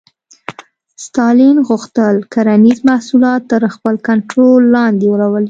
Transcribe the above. ستالین غوښتل کرنیز محصولات تر خپل کنټرول لاندې راولي